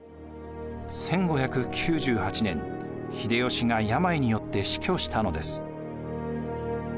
１５９８年秀吉が病によって死去したのです。